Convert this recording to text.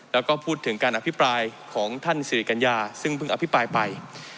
แล้วก็พูดถึงการอภิปรายของท่านสิริกัญญาซึ่งเพิ่งอภิปรายไป